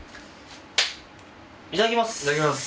いただきます。